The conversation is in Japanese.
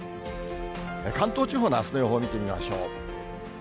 関東地方のあすの予報見てみましょう。